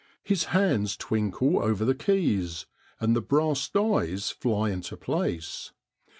His hands twinkle over the keys, and the brass dies fly into place.